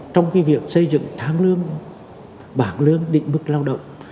trong việc xây dựng tháng lương bảng lương định mức lao động